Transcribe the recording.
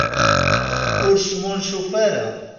Ur smuncuf ara.